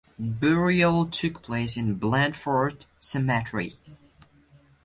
Burial took place in Blandford Cemetery.